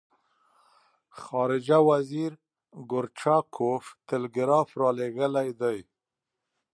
خارجه وزیر ګورچاکوف ټلګراف را لېږلی دی.